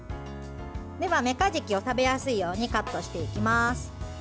では、めかじきを食べやすいようにカットしていきます。